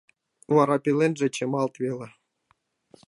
Вара пеленже чымалт веле.